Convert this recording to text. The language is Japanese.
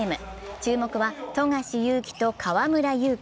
注目は富樫勇樹と河村勇輝。